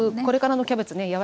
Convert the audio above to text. これからのキャベツね